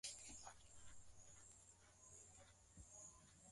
mifugo ya wamasai ina afya imara sana